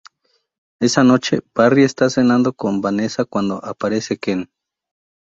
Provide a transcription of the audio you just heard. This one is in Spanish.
Esa noche, Barry está cenando con Vanessa cuando aparece Ken.